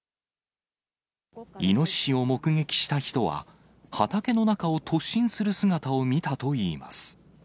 イノシシを目撃した人は、畑の中を突進する姿を見たといいます。